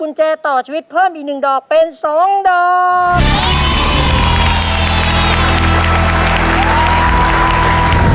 คุณแจต่อชีวิตเพิ่มอีก๑ดอกเป็น๒ดอก